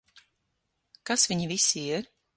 Kas viņi visi ir?